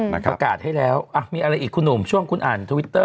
ประกาศให้แล้วมีอะไรอีกคุณหนุ่มช่วงคุณอ่านทวิตเตอร์